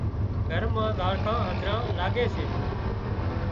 گھر مان زاڙکان هڌران لاڳي سي